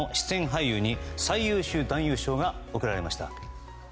俳優に最優秀男優賞が贈られました。